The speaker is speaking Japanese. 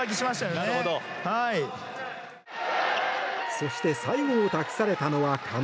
そして、最後を託されたのは加納。